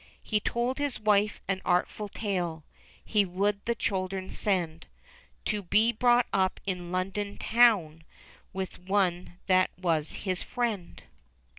He told his wife an artful tale He would the children send To be brought up in London town With one that was his friend.